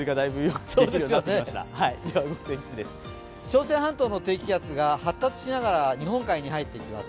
朝鮮半島の低気圧が発達しながら日本海に延びてきます。